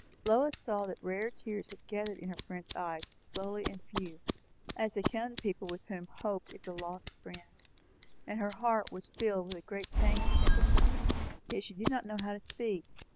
Lois saw that rare tears had gathered in her friend's eyes, slowly and few, as they come to people with whom hope is a lost friend; and her heart was filled with a great pang of sympathy. Yet she did not know how to speak.